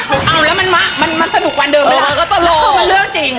เอาแล้วมันมามันมันสนุกวันเดิมเวลาเออก็สโตรกคือมันเรื่องจริง